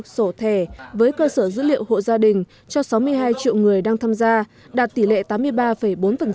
sổ thẻ với cơ sở dữ liệu hộ gia đình cho sáu mươi hai triệu người đang tham gia đạt tỷ lệ tám mươi ba bốn